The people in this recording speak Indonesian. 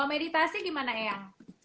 kalau meditasi gimana eyang